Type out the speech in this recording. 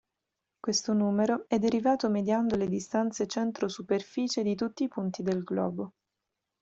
Questo numero è derivato mediando le distanze centro-superficie di tutti i punti del globo.